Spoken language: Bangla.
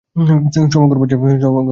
সভা করবার জায়গা পাওয়াই দায়।